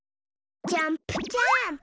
ジャンプジャーンプ。